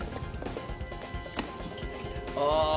ああ！